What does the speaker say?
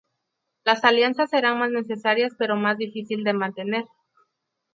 Las alianzas serán más necesarias pero más difícil de mantener.